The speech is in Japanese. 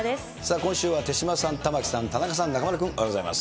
今週は手嶋さん、玉城さん、田中さん、中丸君、おはようございます。